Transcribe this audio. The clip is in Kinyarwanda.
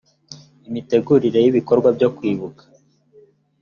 imitegurire y ibikorwa byo kwibuka